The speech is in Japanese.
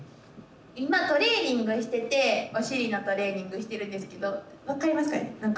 今トレーニングしててお尻のトレーニングしてるんですけど分かりますかね何か。